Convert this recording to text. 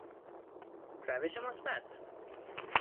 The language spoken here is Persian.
روش مثبت